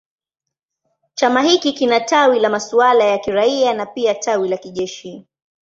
Chama hiki kina tawi la masuala ya kiraia na pia tawi la kijeshi.